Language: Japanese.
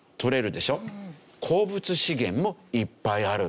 鉱物資源もいっぱいある。